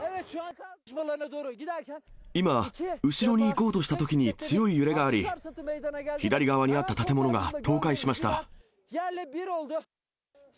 今、後ろに行こうとしたときに、強い揺れがあり、左側にあった建物が倒壊しました。